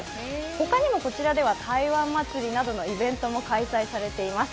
ほかにもこちらでは台湾祭などのイベントも開催されています。